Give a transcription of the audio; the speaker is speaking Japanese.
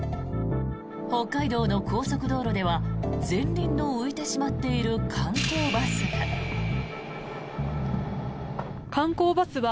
北海道の高速道路では前輪の浮いてしまっている観光バスが。